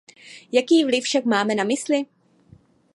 Jaký vliv však máme na mysli?